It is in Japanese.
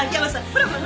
ほらほら！